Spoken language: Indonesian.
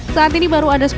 saat ini baru berakhir